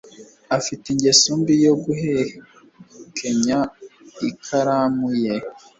Afite ingeso mbi yo guhekenya ikaramu ye.